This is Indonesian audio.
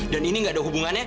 dan ini gak ada hubungannya